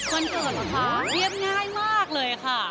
วันเกิดเหรอคะเรียบง่ายมากเลยค่ะ